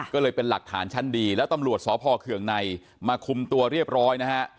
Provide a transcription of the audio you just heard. ก็เลยเป็นหลักฐานชั้นดีแล้วตำรวจสพเคืองในมาคุมตัวเรียบร้อยนะฮะ